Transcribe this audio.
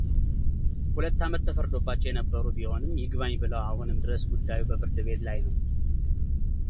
ሁለት ዓመት ተፈርዶባቸው የነበሩ ቢሆንም ይግባኝ ብለው አሁንም ድረስ ጉዳዩ በፍርድ ላይ ነው።